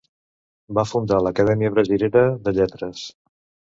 Va fundar l'Acadèmia Brasilera de Lletres.